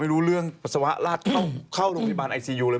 ไม่รู้เรื่องปัสสาวะลาดเข้าโรงพยาบาลไอซียูเลย